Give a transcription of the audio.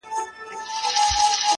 سړي راوستی ښکاري تر خپله کوره,